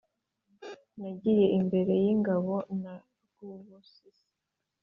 Nagiye imbere y'ingabo na Rwubusisi